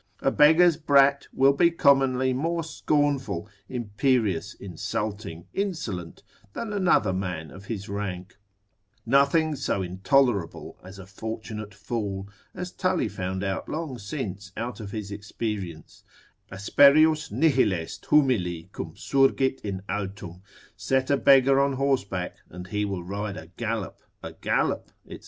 A beggar's brat will be commonly more scornful, imperious, insulting, insolent, than another man of his rank: Nothing so intolerable as a fortunate fool, as Tully found out long since out of his experience; Asperius nihil est humili cum surgit in altum, set a beggar on horseback, and he will ride a gallop, a gallop, &c.